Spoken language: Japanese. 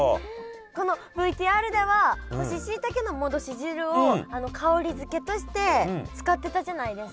このＶＴＲでは干ししいたけの戻し汁を香り付けとして使ってたじゃないですか。